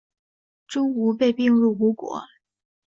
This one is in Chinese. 钟吾被并入吴国。